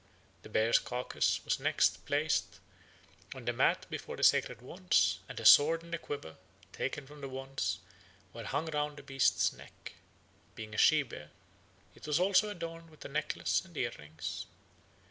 The bear's carcase was next placed on the mat before the sacred wands; and a sword and quiver, taken from the wands, were hung round the beast's neck. Being a she bear, it was also adorned with a necklace and ear rings.